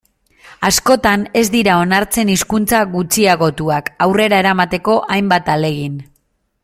Askotan ez dira onartzen hizkuntza gutxiagotuak aurrera eramateko hainbat ahalegin.